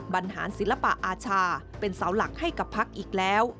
บรรหารศิลปะอาชาเป็นเสาหลักให้กับพักอีกแล้ว